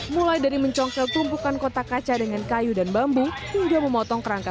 mulai dari mencongkel tumpukan kotak kaca dengan kayu dan bambu hingga memotong kerangka